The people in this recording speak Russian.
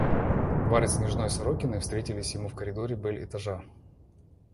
Варя с княжной Сорокиной встретились ему в коридоре бель-этажа.